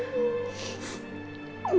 isya allah ya abi